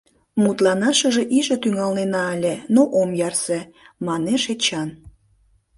— Мутланашыже иже тӱҥалнена ыле, да ом ярсе, — манеш Эчан.